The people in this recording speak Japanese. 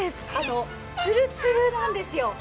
つるつるなんですよ。